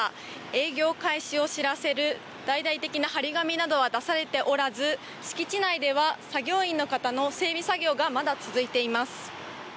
営業開始を知らせる大々的な貼り紙などは出されておらず敷地内では作業員の方の整備作業が、まだ続いています。